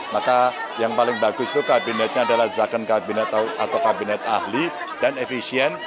maka yang paling bagus itu kabinetnya adalah zakon kabinet ahli dan efisien